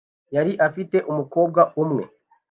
Yari afite umukobwa umwe .